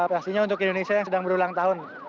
pastinya untuk indonesia yang sedang berulang tahun